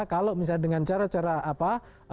kalau misalnya dengan cara cara apa